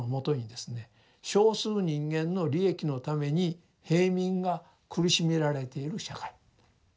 少数人間の利益のために平民が苦しめられている社会。